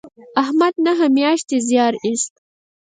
احمد نهه میاشتې زیار ایست.